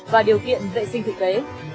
và điều kiện vệ sinh thực tế